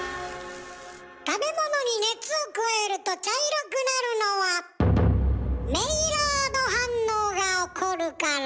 食べ物に熱を加えると茶色くなるのはメイラード反応が起こるから。